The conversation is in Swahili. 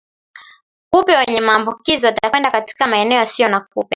Kupe wenye maambukizi watakwenda katika maeneo yasiyo na kupe